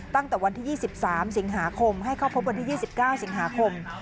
ตั้งแต่วันที่๒๓สิงหาคมให้เข้าพบวันที่๒๙สิงหาคม